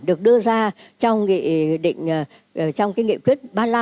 được đưa ra trong nghị định trong cái nghị quyết ba mươi năm